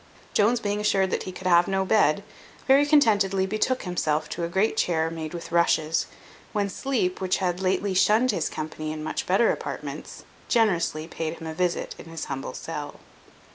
Jones being assured that he could have no bed, very contentedly betook himself to a great chair made with rushes, when sleep, which had lately shunned his company in much better apartments, generously paid him a visit in his humble cell.